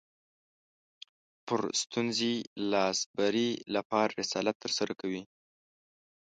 پر ستونزې لاسبري لپاره رسالت ترسره کوي